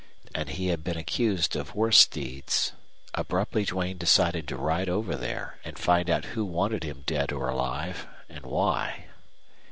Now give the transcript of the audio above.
And he had been accused of worse deeds. Abruptly Duane decided to ride over there and find out who wanted him dead or alive, and why.